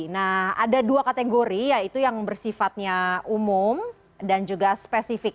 nah ada dua kategori yaitu yang bersifatnya umum dan juga spesifik